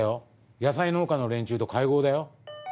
野菜農家の連中と会合だよ。